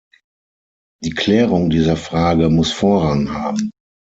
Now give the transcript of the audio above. Die Klärung dieser Frage muss Vorrang haben.